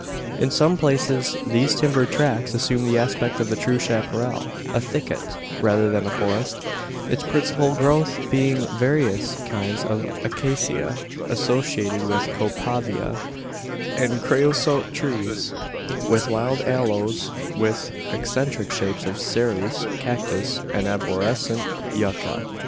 In some places these timbered tracts assume the aspect of the true chapparal a thicket, rather than a forest its principal growth being various kinds of acacia, associated with copaiva and creosote trees, with wild aloes, with eccentric shapes of cereus, cactus, and arborescent yucca.